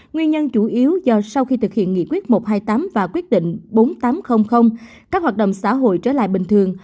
nguyên nhân chủ yếu do sau khi thực hiện nghị quyết một trăm hai mươi tám và quyết định bốn nghìn tám trăm linh các hoạt động xã hội trở lại bình thường